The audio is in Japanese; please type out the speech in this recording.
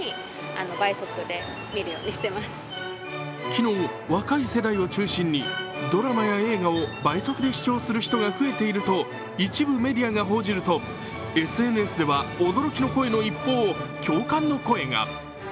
昨日、若い世代を中心にドラマや映画を倍速で視聴する人が増えていると一部メディアが報じるとＳＮＳでは驚きの声の一方、共感の声が。